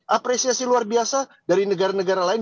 apresiasi luar biasa dari negara negara lain